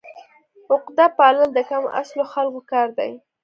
عقده پالل د کم اصلو خلکو کار دی.